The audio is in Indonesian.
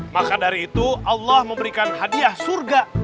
maka dari itu allah memberikan hadiah surga